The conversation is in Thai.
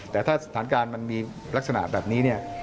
แต่ถ้าสถานการณ์มันมีลักษณะแบบนี้เนี่ย